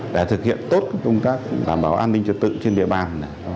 để thực hiện tốt công tác đảm bảo an ninh trật tự trên địa bàn